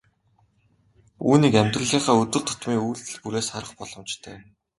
Үүнийг амьдралынхаа өдөр тутмын үйлдэл бүрээс харах боломжтой.